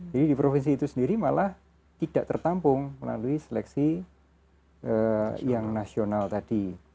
jadi di provinsi itu sendiri malah tidak tertampung melalui seleksi yang nasional tadi